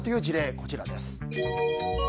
こちらです。